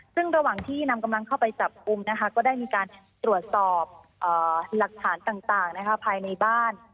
ซึ่งระหว่างที่นำกำลังเข้าไปจับกลุ่มนะคะก็ได้มีการตรวจสอบหลักฐานต่างภายในบ้าน